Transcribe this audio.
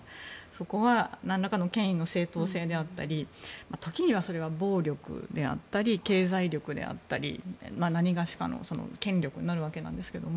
そこは何らかの権威の正当性であったり時にはそれが暴力であったり経済力であったり何がしかの権力になるわけなんですけど。